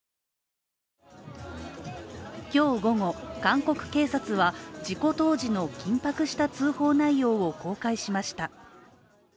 今日午後、韓国警察は事故当時の緊迫した通報内容を公開しました。